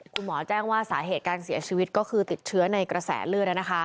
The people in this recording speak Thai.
คุณหมอแจ้งว่าสาเหตุการเสียชีวิตก็คือติดเชื้อในกระแสเลือด